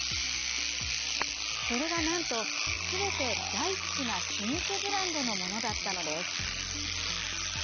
それがなんと、すべて大好きな老舗ブランドのものだったのです。